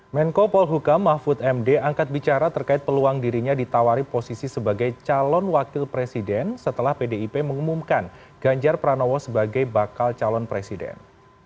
menko polhukam mahfud md angkat bicara terkait peluang dirinya ditawari posisi sebagai calon wakil presiden setelah pdip mengumumkan ganjar pranowo sebagai bakal calon presiden